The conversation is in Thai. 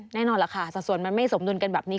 แน่นอนล่ะค่ะสัดส่วนมันไม่สมดุลกันแบบนี้